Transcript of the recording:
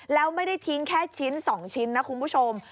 แล้วไม่ได้ทิ้งแค่ชิ้น๒ชิ้นนะคุณผู้ชม